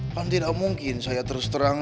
kan tidak mungkin saya terseterang